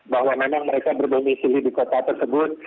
bahwa memang mereka berdomisili di kota tersebut